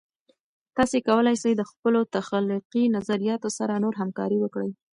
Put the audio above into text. تاسې کولای سئ د خپلو تخلیقي نظریاتو سره نور همکارۍ وکړئ.